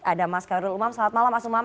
ada mas kairul umam selamat malam mas umam